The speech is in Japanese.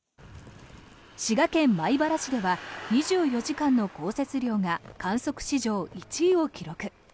滋賀県米原市では２４時間の降雪量が観測史上１位を記録。